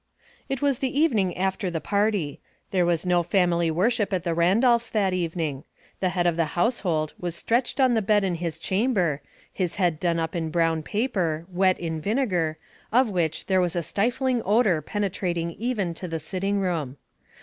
T was the evening after the party. There was no family worsnip at the Randolphs* that evening. The head of the household was stretched on the bed in his chamber, his head done up in brown paper, wet in vinegar, of which there was a stiflin^i^ odor pene trating even to the sitting room.